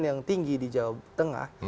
yang tinggi di jawa tengah